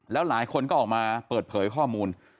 แล้วหลายคนก็ออกมาเปิดเผยข้อมูล